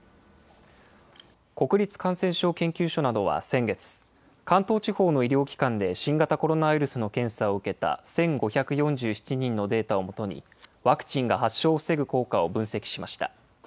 国立感染症研究所などは先月、関東地方の医療機関で新型コロナウイルスの検査を受けた１５４７人のデータを基に、ワクチンが発症を防ぐ効果を分析しました。